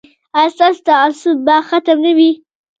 ایا ستاسو تعصب به ختم نه وي؟